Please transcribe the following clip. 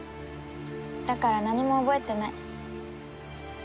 だから何も覚えてない。